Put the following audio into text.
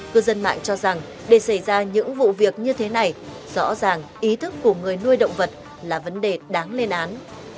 cư dân mạng cho rằng để xảy ra những vụ việc như thế này rõ ràng ý thức của người nuôi động vật là vấn đề đáng lên án